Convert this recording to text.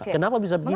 kenapa bisa begitu